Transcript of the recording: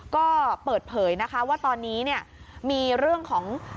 ก็เปิดเผยนะคะว่าตอนนี้เนี่ยมีเรื่องของ